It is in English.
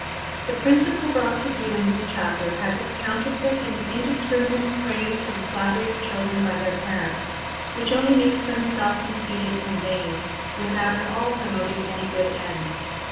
The principle brought to view in this chapter has its counterfeit in the indiscriminate praise and flattery of children by their parents, which only makes them self conceited and vain, without at all promoting any good end.